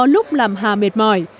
lúc làm hà mệt mỏi